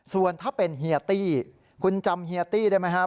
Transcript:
ส่วนถ้าเป็นเฮียตี้คุณจำเฮียตี้ได้ไหมครับ